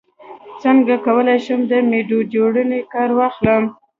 څنګه کولی شم د میډجورني کار واخلم